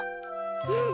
うん！